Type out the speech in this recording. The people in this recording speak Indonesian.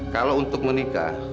kalau untuk menikah